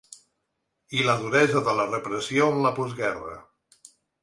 I la duresa de la repressió en la postguerra.